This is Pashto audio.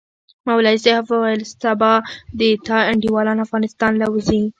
مولوي صاحب وويل سبا د تا انډيوالان افغانستان له زي؟